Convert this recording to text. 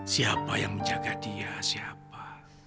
siapa yang menjaga dia siapa